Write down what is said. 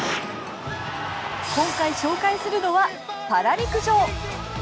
今回紹介するのはパラ陸上。